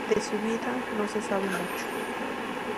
De su vida no se sabe mucho.